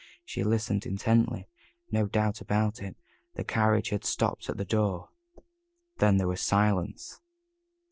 She listened intently no doubt about it the carriage had stopped at the door. Then there was a silence.